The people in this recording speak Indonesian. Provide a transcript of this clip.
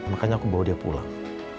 makanya aku bawa dia pulang